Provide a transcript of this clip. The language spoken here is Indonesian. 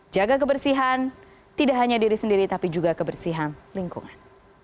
jaga kebersihan tidak hanya diri sendiri tapi juga kebersihan lingkungan